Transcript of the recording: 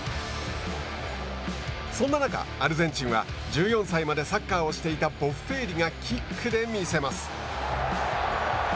そんな中、アルゼンチンは１４歳までサッカーをしていたボッフェーリがキックで見せます。